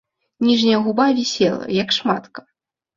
Ніжняя губа вісела, як шматка.